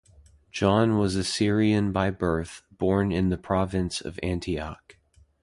John was a Syrian by birth, born in the province of Antioch.